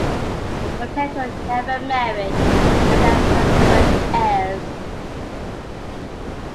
Botetourt never married and left no direct heirs.